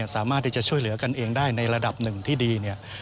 สามารถที่จะช่วยเหลือกันเองได้ในระดับหนึ่งที่ดีเนี่ย